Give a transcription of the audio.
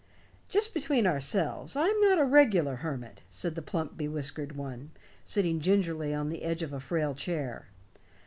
"Just between ourselves, I'm not a regular hermit," said the plump bewhiskered one, sitting gingerly on the edge of a frail chair.